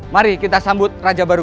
mari kita berjalan